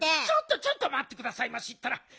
ちょっとちょっとまってくださいましったら。